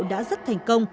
đã rất thành công